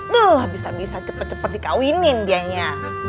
duh bisa bisa cepet cepet dikawinin dianya